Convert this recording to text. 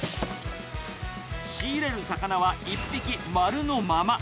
仕入れる魚は１匹まるのまま。